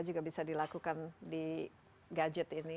juga bisa dilakukan di gadget ini